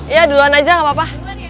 iya duluan aja nggak apa apa